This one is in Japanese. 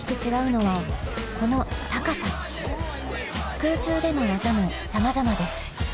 空中での技もさまざまです。